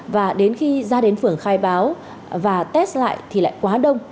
và đến khi ra đến phường khai báo và test lại thì lại quá đông